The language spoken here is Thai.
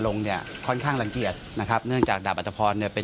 ลงเนี่ยค่อนข้างรังเกียจนะครับเนื่องจากดาบอัตภพรเนี่ยเป็น